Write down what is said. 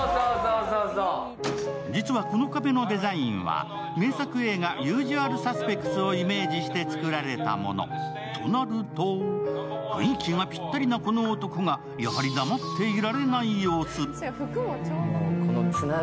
実はこの壁のデザインは名作映画「ユージュアル・サスペクツ」をイメージして作られたもの。となると、雰囲気がぴったりなこの男がやはり黙っていられない様子。